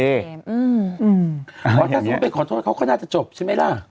ว่าถ้าสมมติเป็นขอโทษเขาน่าจะจบใช่ไหมล่ะ